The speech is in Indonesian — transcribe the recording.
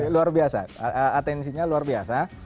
luar biasa atensinya luar biasa